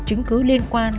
chứng cứ liên quan